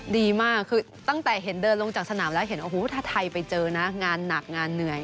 ดีมากคือตั้งแต่เห็นเดินลงจากสนามแล้วเห็นโอ้โหถ้าไทยไปเจอนะงานหนักงานเหนื่อย